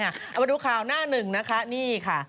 เอามาดูข่าวหน้าหนึ่งนะคะนี่ค่ะ